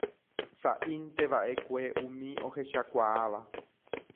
Saʼíntevaʼekue umi ohechakuaáva.